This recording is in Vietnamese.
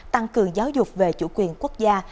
tăng cường giáo dục về chủ quyền quốc gia